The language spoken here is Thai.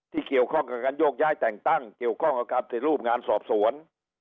เกี่ยวข้องกับการโยกย้ายแต่งตั้งเกี่ยวข้องกับการปฏิรูปงานสอบสวน